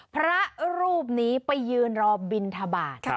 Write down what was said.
พระรูปนี้ไปยืนรอบินทบาท